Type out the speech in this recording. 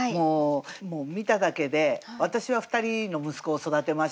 もう見ただけで私は２人の息子を育てましたけど。